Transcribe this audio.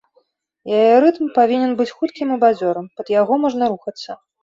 Яе рытм павінен быць хуткім і бадзёрым, пад яго можна рухацца.